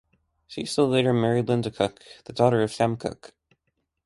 Cecil later married Linda Cooke, the daughter of Sam Cooke.